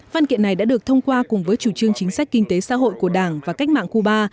văn kiện này đã được thông qua cùng với chủ trương chính sách kinh tế xã hội của đảng và cách mạng cuba